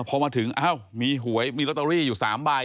พอมาถึงอ้าวมีหวยมีลอตเตอรี่อยู่๓ใบ